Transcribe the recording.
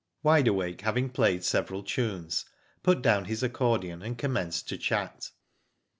Wide Awake, having played several tunes, put down his accordion and commenced to chat.